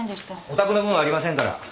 お宅の分ありませんから。